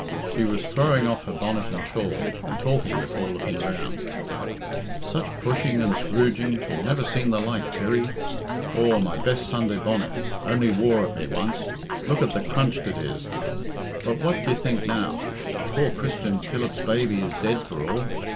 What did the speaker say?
She was throwing off her bonnet and shawl, and talking before looking round. "Such pushing and scrooging, you never seen the like, Kirry. Aw, my best Sunday bonnet, only wore at me once, look at the crunched it is! But what d'ye think now? Poor Christian Killip's baby is dead for all.